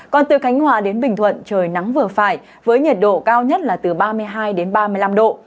còn từ khánh hòa đến bình thuận trời nắng vừa phải với nhiệt độ cao nhất là từ ba mươi hai đến ba mươi năm độ